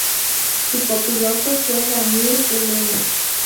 Su copiloto fue Daniel Elena.